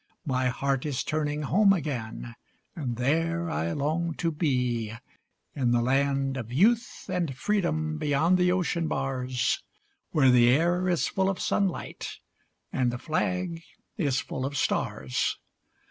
My heart is turning home again, and there I long to be, In the land of youth and freedom beyond the ocean bars, Where the air is full of sunlight and the flag is full of stars!